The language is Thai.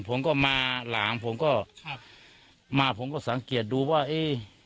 ผมก็มาหลังผมก็ครับมาผมก็สังเกตดูว่าเอ๊ะ